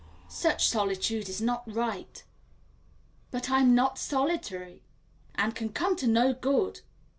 "Such solitude is not right." "But I'm not solitary." "And can come to no good."